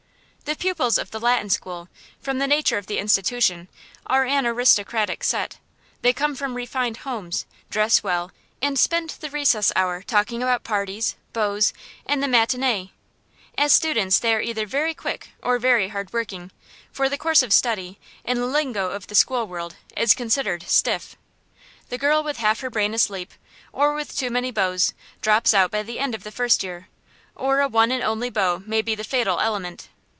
The pupils of the Latin School, from the nature of the institution, are an aristocratic set. They come from refined homes, dress well, and spend the recess hour talking about parties, beaux, and the matinée. As students they are either very quick or very hard working; for the course of study, in the lingo of the school world, is considered "stiff." The girl with half her brain asleep, or with too many beaux, drops out by the end of the first year; or a one and only beau may be the fatal element.